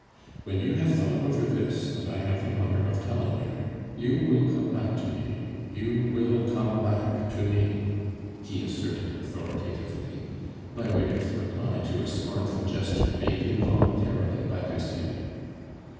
When you have thought over this that I have the honor of telling you, you will come back to me. You will come back to me!" he asserted authoritatively, by way of reply to a scornful gesture made involuntarily by Lucien.